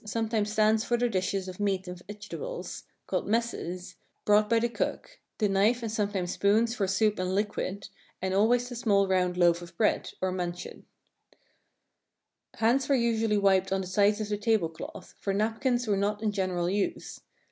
Note the absence of table legs or supports for table times stands for the dishes of meat and vegetables (called messes) brought by the cook, the knife and sometimes spoons for soup and liquid, and always the small round loaf of bread, or manchet. Hands Hands were usually wiped on the sides of the table cloth, for napkins were not in general use.